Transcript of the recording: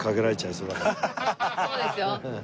そうですよ。